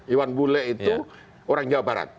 iwan bule itu orang jawa barat